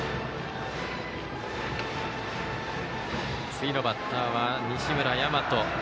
次のバッターは西村大和。